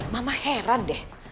mama heran deh